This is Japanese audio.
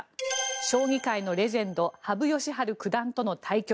将棋界のレジェンド羽生善治九段との対局。